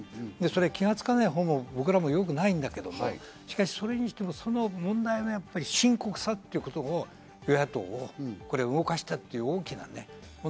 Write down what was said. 気がつかない方が僕らも良くないんだけど、しかし、それにしても問題の深刻さということが与野党を動かしたという事が大きい。